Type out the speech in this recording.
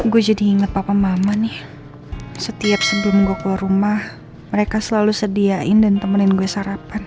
gue jadi inget papa mama nih setiap sebelum gue keluar rumah mereka selalu sediain dan temenin gue sarapan